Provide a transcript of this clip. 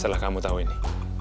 setelah kamu tau ini